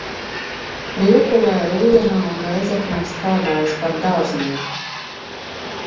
Priekulē, Rūjienā un Rēzeknē strādājis par dārznieku.